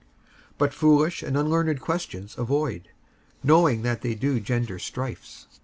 55:002:023 But foolish and unlearned questions avoid, knowing that they do gender strifes.